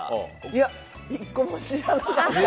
いや、一個も知らなかった。